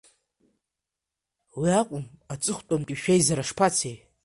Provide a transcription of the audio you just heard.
Уи акәым, аҵыхәтәантәи шәеизара шԥацеи?